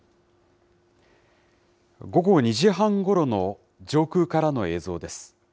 午後２時半ごろの上空からの映像です。